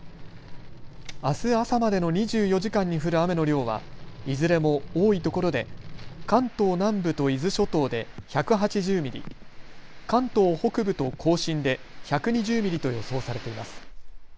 あす朝までの２４時間に降る雨の量はいずれも多いところで関東南部と伊豆諸島で１８０ミリ、関東北部と甲信で１２０ミリと予想されています。